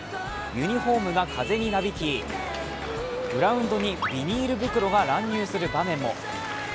ユニフォームが風になびき、グラウンドにビニール袋が乱入する場面も。